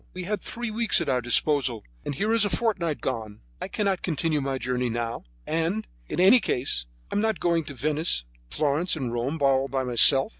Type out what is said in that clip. We had three weeks at our disposal, and here is a fortnight gone! I cannot continue my journey now; and, in any case, I am not going to Venice, Florence and Rome all by myself.